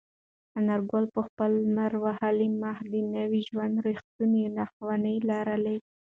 انارګل په خپل لمر وهلي مخ د نوي ژوند رښتونې نښانونه لرل.